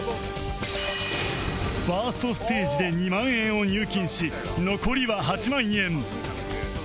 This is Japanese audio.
１ｓｔ ステージで２万円を入金し残りは８万円